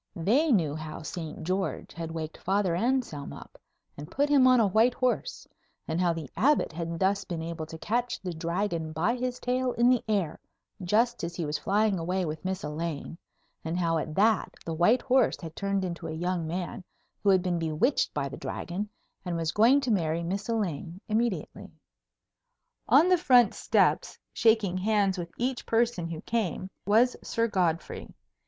They knew how Saint George had waked Father Anselm up and put him on a white horse, and how the Abbot had thus been able to catch the Dragon by his tail in the air just as he was flying away with Miss Elaine, and how at that the white horse had turned into a young man who had been bewitched by the Dragon, and was going to marry Miss Elaine immediately. On the front steps, shaking hands with each person who came, was Sir Godfrey.